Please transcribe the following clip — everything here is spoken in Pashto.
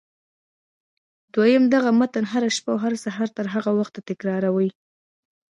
دويم دغه متن هره شپه او هر سهار تر هغه وخته تکراروئ.